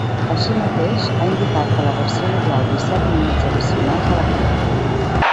Així mateix, ha indicat que la versió inclou disset minuts addicionals de la pel·lícula.